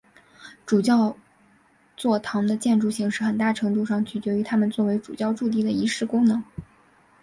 主教座堂的建筑形式很大程度上取决于它们作为主教驻地的仪式功能。